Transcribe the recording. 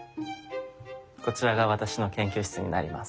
こちらが私の研究室になります。